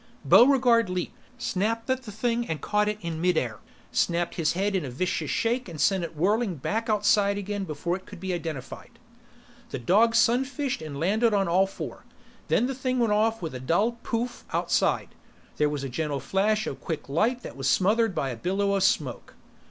Buregarde leaped, snapped at the thing and caught it in midair, snapped his head in a vicious shake and sent it whirling back outside again before it could be identified. The dog sunfished and landed on all four. Then the thing went off with a dull pouf! outside. There was a gentle flash of quick light that was smothered by a billow of smoke.